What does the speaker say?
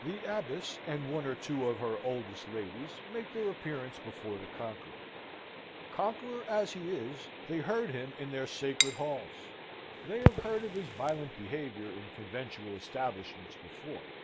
The Abbess, and one or two of her oldest ladies, make their appearance before the conqueror. Conqueror as he is, they heard him in their sacred halls. They have heard of his violent behaviour in conventual establishments before.